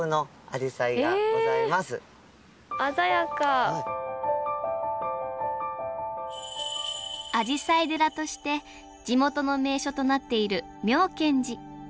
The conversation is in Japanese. アジサイ寺として地元の名所となっている妙顕寺。